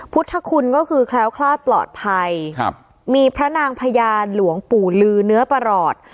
พุทธคุณก็คือแคล้วคลาดปลอดภัยครับมีพระนางพยานหลวงปู่ลือเนื้อประหลอด